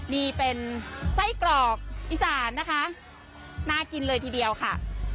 นี่เป็นไส้กรอกอีสานนะคะน่ากินเลยทีเดียวค่ะ